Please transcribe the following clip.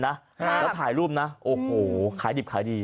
แล้วถ่ายรูปนะโอ้โหขายดิบขายดี